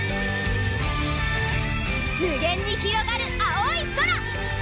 無限にひろがる青い空！